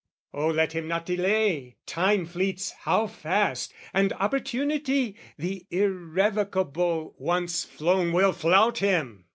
O let him not delay! Time fleets how fast, And opportunity, the irrevocable, Once flown will flout him!